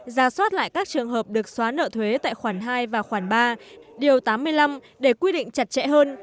ra soát lại các trường hợp được xóa nợ thuế tại khoản hai và khoản ba điều tám mươi năm để quy định chặt chẽ hơn